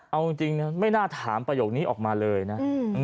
เอาจริงนะไม่น่าถามประโยคนี้ออกมาเลยนะ